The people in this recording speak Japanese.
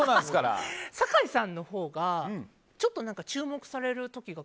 酒井さんのほうがちょっと注目される時が。